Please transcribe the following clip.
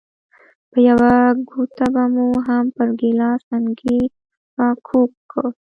په یوه ګوته به مو هم پر ګیلاس منګی راکوږ کړ.